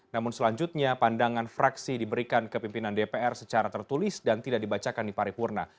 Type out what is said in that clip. namun selanjutnya pandangan fraksi diberikan ke pimpinan dpr secara tertulis dan tidak dibacakan di paripurna